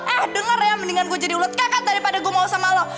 eh denger ya mendingan gue jadi ulut kakak daripada gue mau sama lo